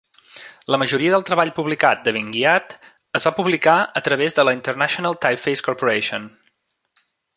La majoria del treball publicat de Benguiat es va publicar a través de la International Typeface Corporation.